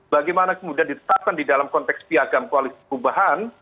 bagaimana kemudian ditetapkan di dalam konteks piagam koalisi perubahan